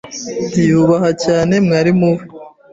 Yubaha cyane mwarimu we.